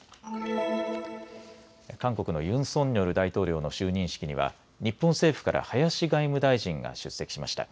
韓国のユン・ソンニョル大統領の就任式には日本政府から林外務大臣が出席しました。